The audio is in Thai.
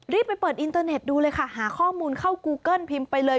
ไปเปิดอินเตอร์เน็ตดูเลยค่ะหาข้อมูลเข้ากูเกิ้ลพิมพ์ไปเลย